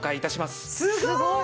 すごーい！